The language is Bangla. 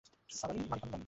সাবারি, মানিকান্দান।